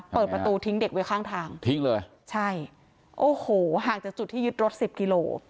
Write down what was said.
เปิดประตูทิ้งเด็กไว้ข้างทางทิ้งเลยใช่โอ้โหห่างจากจุดที่ยึดรถสิบกิโล